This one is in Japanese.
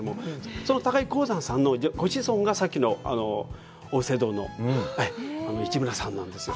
その高井鴻山さんのご子孫がさっきの小布施堂の市村さんなんですよ。